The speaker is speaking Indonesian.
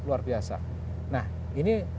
luar biasa nah ini